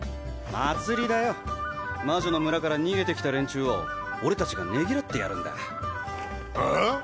祭りだよ魔女の村から逃げてきた連中を俺達がねぎらってやるんだはあ！？